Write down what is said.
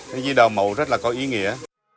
nên gì đạo mẫu rất là có ý nghĩa